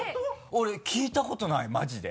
俺聞いたことないマジで。